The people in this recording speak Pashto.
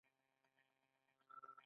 یو سل او درې اویایمه پوښتنه بودیجه ده.